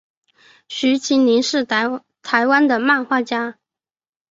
徐麒麟是台湾的漫画家。